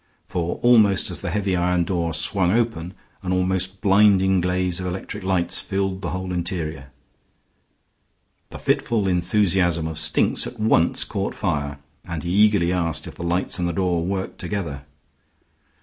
For almost as the heavy iron door swung open an almost blinding blaze of electric lights filled the whole interior. The fitful enthusiasm of Stinks at once caught fire, and he eagerly asked if the lights and the door worked together.